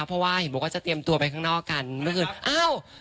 เพราะว่าเห็นบอกว่าจะเตรียมตัวไปข้างนอกกันเมื่อคืนอ้าว